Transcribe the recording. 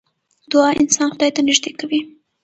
دعا انسان خدای ته نژدې کوي .